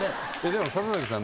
でも里崎さん